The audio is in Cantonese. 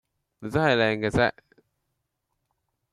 你真係靚嘅啫